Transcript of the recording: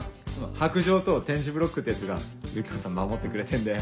白杖と点字ブロックってやつがユキコさん守ってくれてんだよ。